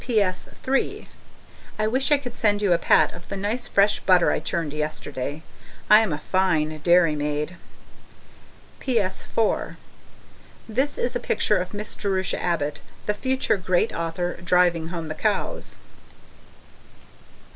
PS. (3) I wish I could send you a pat of the nice, fresh butter I churned yesterday. I'm a fine dairy maid! PS. (4) This is a picture of Miss Jerusha Abbott, the future great author, driving home the cows.